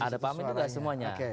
ada pak amin itu ya semuanya